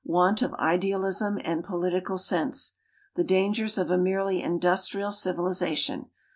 Want of idealism and political sense. The dangers of a merely industrial civilization.